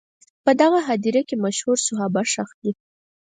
په دغه هدیره کې مشهور صحابه ښخ دي.